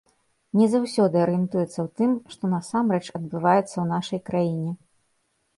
Не заўсёды арыентуецца ў тым, што насамрэч адбываецца ў нашай краіне.